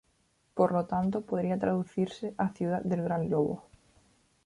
Por lo tanto podría traducirse a ciudad del gran lobo.